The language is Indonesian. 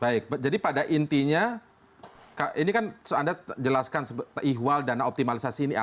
baik jadi pada intinya ini kan anda jelaskan ihwal dana optimalisasi ini